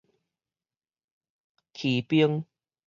騎兵